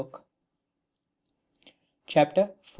CHAPTER IV.